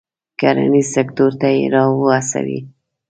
کرنیز سکتور ته یې را و هڅوي.